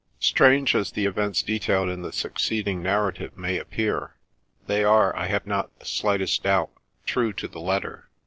Strange as the events detailed in the succeeding narrative may appear, they are, I have not the slightest doubt, true to the letter.